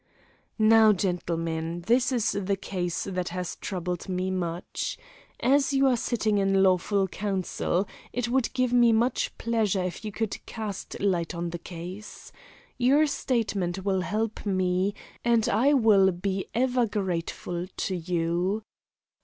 "Now, gentlemen, this is the case that has troubled me much. As you are sitting in lawful council, it would give me much pleasure if you could cast light on the case. Your statement will help me, and I will be ever grateful to you.